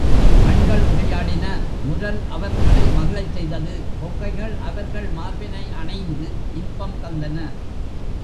கண்கள் உரையாடின, முரல் அவர்களை மகிழச் செய்தது கொங்கைகள் அவர்கள் மார்பினை அணைந்து இன்பம் தந்தன.